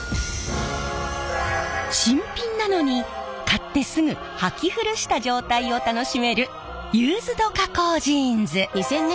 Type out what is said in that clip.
新品なのに買ってすぐはき古した状態を楽しめるユーズド加工ジーンズ！